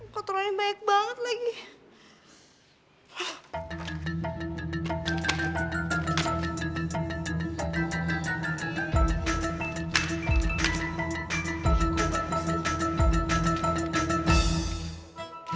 kotoran yang banyak banget lagi